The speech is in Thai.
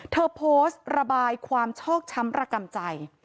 เธอโพสต์ระบายความชอกช้ำระกำใจ